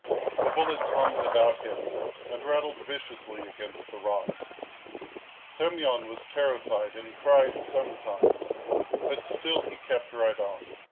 The bullets hummed about him and rattled viciously against the rocks. Semyon was terrified and cried sometimes, but still he kept right on.